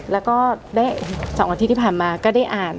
แล้วก็สองสัปดาห์ที่ผ่านมาก็ได้อ่าน